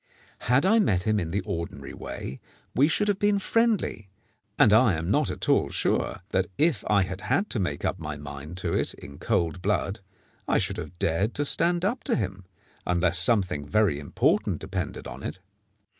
Had I met him in the ordinary way, we should have been friendly, and I am not at all sure that, if I had had to make up my mind to it in cold blood, I should have dared to stand up to him, unless something very important depended on it.